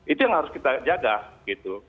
itu yang harus kita jaga gitu